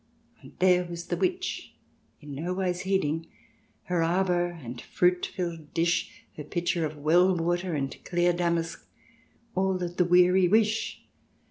" And there was the Witch, in no wise heeding ; Her arbour and fruit filled dish, Her pitcher of well water, and clear damask — All that the weary wish.